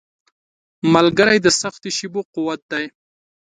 ملګری د سختو شېبو قوت دی.